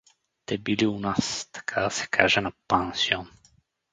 Те били у нас, така да се каже, на пансион.